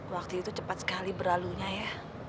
waktu itu cepat sekali berlalunya ya